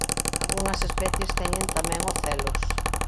Algunhas especies teñen tamén ocelos.